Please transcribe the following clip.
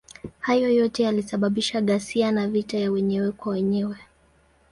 Hayo yote yalisababisha ghasia na vita ya wenyewe kwa wenyewe.